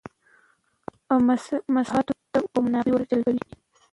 او مصلحتونه او منافع ور جلبوی